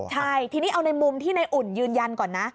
ใช่ทีนี้เอาในมุมที่ในอุ่นยืนยันก่อนนะ